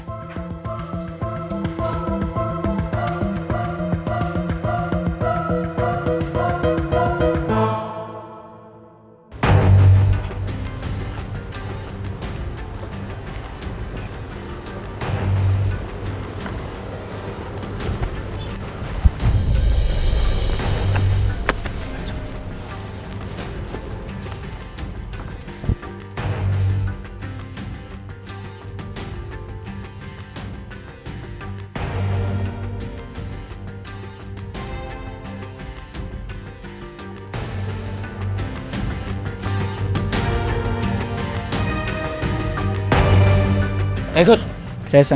jadi saya mau ngecewain bapak